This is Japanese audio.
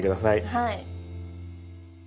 はい！